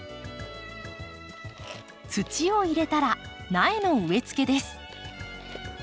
土を入れたら苗の植え付けです。